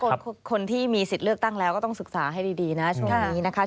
คนที่มีสิทธิ์เลือกตั้งแล้วก็ต้องศึกษาให้ดีนะช่วงนี้นะคะ